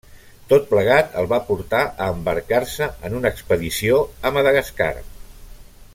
Tot plegat el va portar a embarcar-se en una expedició a Madagascar.